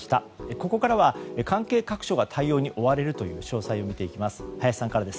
ここからは関係各所が対応に追われるという各所を見ていきます。